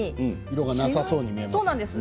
色がなさそうに見えます。